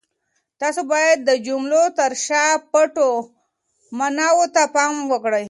تاسو باید د جملو تر شا پټو ماناوو ته پام وکړئ.